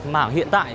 mảng hiện tại